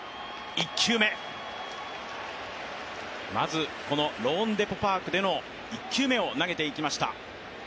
まずこのローンデポ・パークでの１球目を投げていきました。